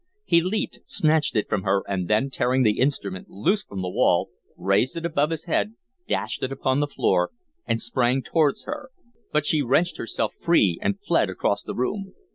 He leaped, snatched it from her, and then, tearing the instrument loose from the wall, raised it above his head, dashed it upon the floor, and sprang towards her, but she wrenched herself free and fled across the room.